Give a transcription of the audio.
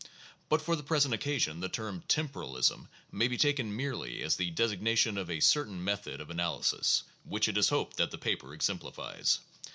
But for the present occasion the term "tem poralism" may be taken merely as the designation of a certain method of analysis, which it is hoped that the paper exemplifies.